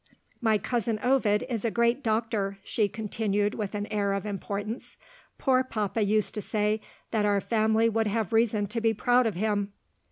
"My cousin Ovid is a great doctor," she continued with an air of importance. "Poor papa used to say that our family would have reason to be proud of him."